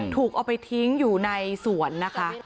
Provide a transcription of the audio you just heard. ถูกเอาไปทิ้งอยู่ในสวนนะคะ